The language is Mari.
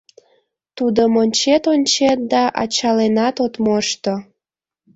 Тудым ончет-ончет да ачаленат от мошто.